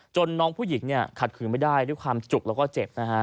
จนน้องผู้หญิงขัดขืนไม่ได้ด้วยความจุกแล้วก็เจ็บ